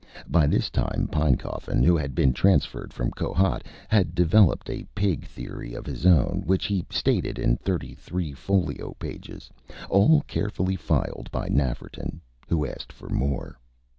By this time Pinecoffin, who had been transferred from Kohat, had developed a Pig theory of his own, which he stated in thirty three folio pages all carefully filed by Nafferton. Who asked for more.